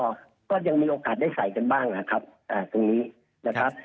ก็ก็ยังมีโอกาสได้ใส่กันบ้างนะครับตรงนี้นะครับ